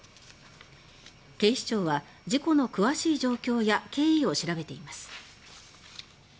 警視庁は、事故の詳しい状況や経緯を調べています。